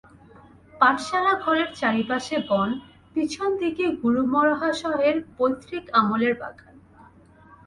পাঠশালা-ঘরের চারিপাশে বন, পিছন দিকে গুরুমহাশয়ের পৈতৃক আমলের বাগান।